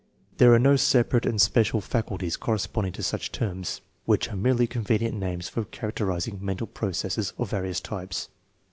There are no separate and special " faculties " corresponding to such terms, which are merely convenient names for characterizing mental processes of various types.